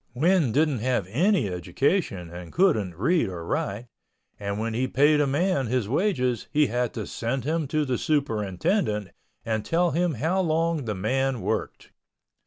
Win didn't have any education and couldn't read or write—and when he paid a man his wages he had to send him to the superintendent and tell him how long the man worked.